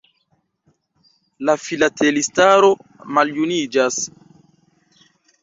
La filatelistaro maljuniĝas.